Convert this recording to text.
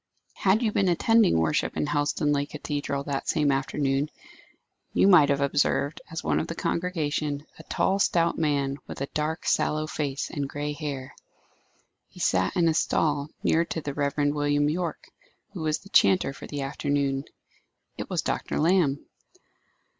Had you been attending worship in Helstonleigh Cathedral that same afternoon, you might have observed, as one of the congregation, a tall stout man, with a dark, sallow face, and grey hair. He sat in a stall near to the Reverend William Yorke, who was the chanter for the afternoon. It was Dr. Lamb.